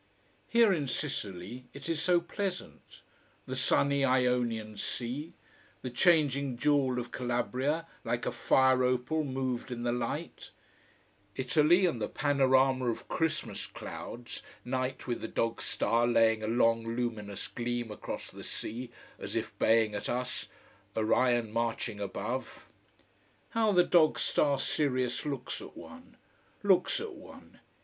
Here in Sicily it is so pleasant: the sunny Ionian sea, the changing jewel of Calabria, like a fire opal moved in the light; Italy and the panorama of Christmas clouds, night with the dog star laying a long, luminous gleam across the sea, as if baying at us, Orion marching above; how the dog star Sirius looks at one, looks at one!